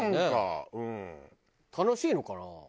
楽しいのかな？